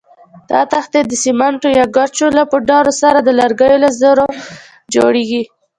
دا تختې د سمنټو یا ګچو له پوډرو سره د لرګیو له ذرو جوړېږي.